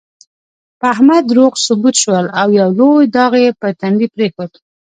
په احمد دروغ ثبوت شول، او یو لوی داغ یې په تندي پرېښود.